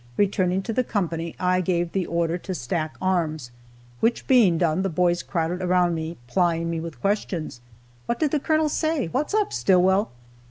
Returning to the company, I gave the order to stack arms, which being done, the boys crowded around me, plying me with questions. "What did the Colonel say? What's up, Stillwell?"